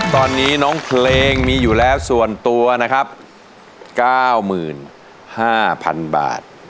ตอนนี้น้องเพลงมีอยู่แล้วส่วนตัวนะครับ๙๕๐๐๐บาท